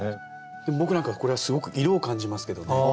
でも僕なんかはこれはすごく色を感じますけどね。